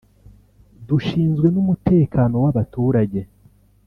"Dushinzwe n’umutekano w’abaturage